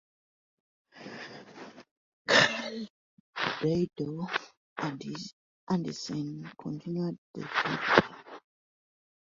Carl Theodor Andersen continued the company.